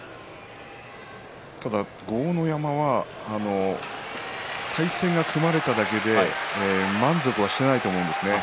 ただ豪ノ山は対戦が組まれただけで満足していないと思うんですね。